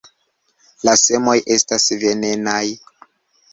La semoj estas venenaj.